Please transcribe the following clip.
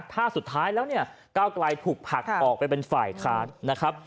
ถ้าสุดท้ายแล้วเนี่ยก้าวไกลถูกผลักออกไปเป็นฝ่ายค้านนะครับ